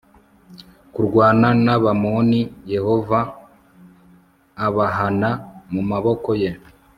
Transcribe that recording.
kurwana n Abamoni Yehova abahana mu maboko ye